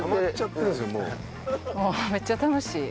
もうめっちゃ楽しい。